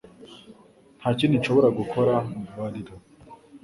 Nta kindi nshobora gukora Mbabarira